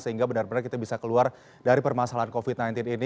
sehingga benar benar kita bisa keluar dari permasalahan covid sembilan belas